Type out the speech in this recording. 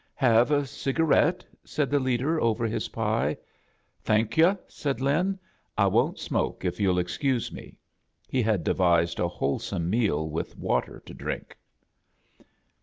"Have a cigarette?" said the leader, over his pie. " Thank y«V' said Lhi. "I won't smoke, if you'll excuse me." He had devised a wholesome meal with water to drink.